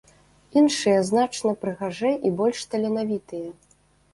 Іншыя значна прыгажэй і больш таленавітыя.